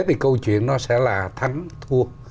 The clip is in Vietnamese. thì câu chuyện nó sẽ là thắng thua